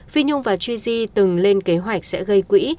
phi nhung và gj từng lên kế hoạch sẽ gây quỹ